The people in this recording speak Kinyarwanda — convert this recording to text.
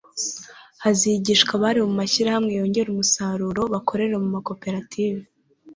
hazigishwa abari mu mashyirahamwe yongera umusaruro bakorere mu makoperative